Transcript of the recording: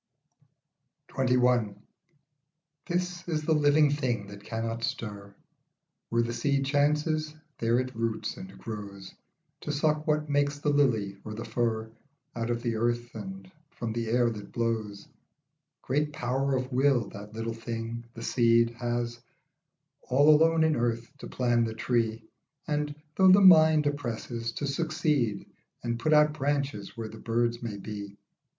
24 XXI. THIS is the living thing that cannot stir. Where the seed chances there it roots and grows, To suck what makes the lily or the fir Out of the earth and from the air that blows, Great power of Will that little thing the seed Has, all alone in earth, to plan the tree, And, though the mud oppresses, to succeed And put out branches where the birds maybe.